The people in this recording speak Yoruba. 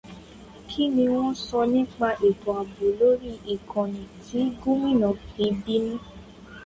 Kí ni wọ́n sọ nípa ètò ààbò lórí ìkànnì tí Gómìnà fí bínú?